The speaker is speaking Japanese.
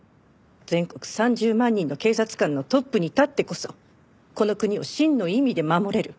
全国３０万人の警察官のトップに立ってこそこの国を真の意味で守れる。